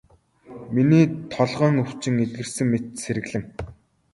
Миний толгойн өвчин эдгэрсэн мэт сэргэлэн.